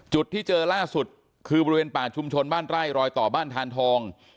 จุดที่เจอล่าสุดคือบริเวณป่าชุมชนบ้านไร่รอยต่อบ้านทานทอง